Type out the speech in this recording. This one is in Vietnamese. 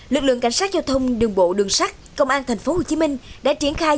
lực lượng cảnh sát giao thông đường bộ đường sắt công an tp hcm đã triển khai